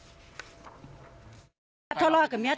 ภรรยาก็บอกว่านายเทวีอ้างว่าไม่ถูกตำรวจจับเนี่ยค่ะ